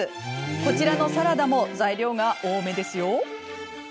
こちらのサラダも材料が多めですよ。